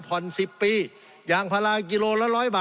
สงบจนจะตายหมดแล้วครับ